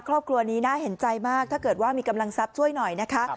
ครอบครัวนี้น่าเห็นใจมากถ้าเกิดว่ามีกำลังทรัพย์ช่วยหน่อยนะคะ